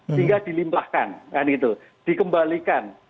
sehingga dilimpahkan dikembalikan